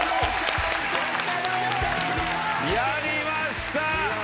やりました。